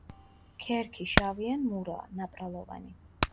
ქერქი შავი ან მურაა, ნაპრალოვანი.